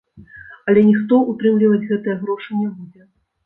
Але ніхто ўтрымліваць гэтыя грошы не будзе.